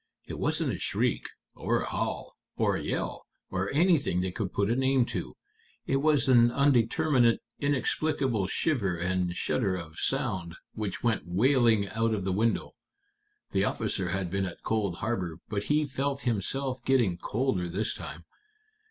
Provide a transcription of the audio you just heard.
It wasn't a shriek, or a howl, or a yell, or anything they could put a name to. It was an undeterminate, inexplicable shiver and shudder of sound, which went wailing out of the window. The officer had been at Cold Harbor, but he felt himself getting colder this time.